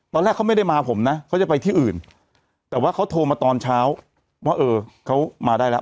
ตอนแรกเขาไม่ได้มาผมนะเขาจะไปที่อื่นแต่ว่าเขาโทรมาตอนเช้าว่าเออเขามาได้แล้ว